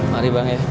mari bang ya